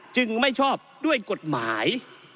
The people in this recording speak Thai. ไม่ชอบด้วยกฎหมาย